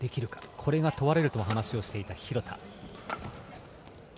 これが問われると話をしていた廣田。